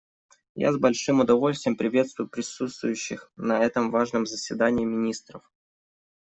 Я с большим удовольствием приветствую присутствующих на этом важном заседании министров.